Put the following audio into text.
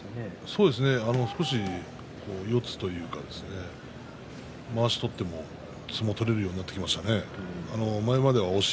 そうですね少し四つというかまわしを取っても相撲が取れるようになってきましたね。